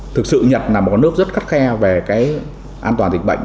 thực sự nhật là một nước rất khắt khe về cái an toàn dịch bệnh